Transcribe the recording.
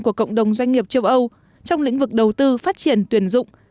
của cộng đồng doanh nghiệp châu âu trong lĩnh vực đầu tư phát triển tuyển dụng